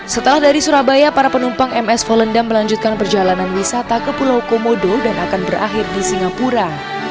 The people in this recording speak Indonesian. setelah dari surabaya para penumpang ms volendam melanjutkan perjalanan wisata ke pulau komodo dan akan berakhir di singapura